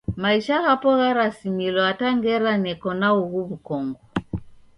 Maisha ghapo gharasimilo hata ngera neko na ughu w'ukongo.